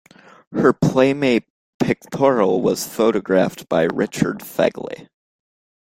Her Playmate pictorial was photographed by Richard Fegley.